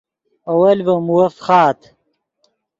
اول ڤے مووف فخآت